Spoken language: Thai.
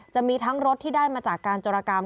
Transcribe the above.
จะมีทั้งรถที่ได้มาจากการจรกรรม